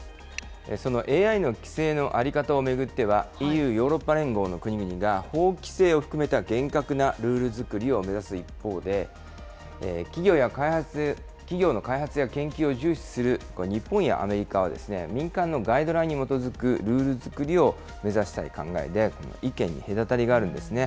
そのＡＩの規制の在り方を巡っては、ＥＵ・ヨーロッパ連合の国々が、法規制を含めた厳格なルール作りを目指す一方で、企業の開発や研究を重視する日本やアメリカは、民間のガイドラインに基づくルール作りを目指したい考えで、意見に隔たりがあるんですね。